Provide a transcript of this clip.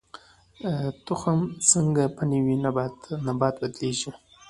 تخم څنګه په نوي نبات بدلیږي؟